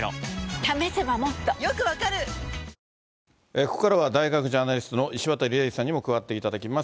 ここからは大学ジャーナリストの石渡嶺司さんにも加わっていただきます。